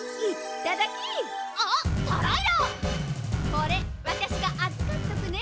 これわたしがあずかっとくね。